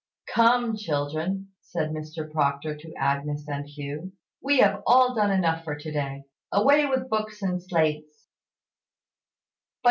"Come, children," said Mr Proctor to Agnes and Hugh, "we have all done enough for to day. Away with books and slates!"